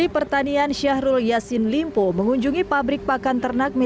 kembali ke pabrik pakan ternak